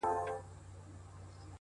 د ښكلا ميري د ښكلا پر كلي شــپه تېروم؛